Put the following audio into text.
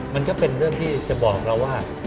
มันก็เป็นเรื่องที่จะบอกเราว่า